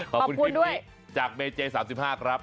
ขอบคุณคลิปนี้จากเมเจ๓๕ครับ